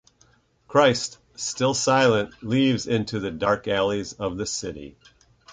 Christ, still silent, leaves into "the dark alleys of the city".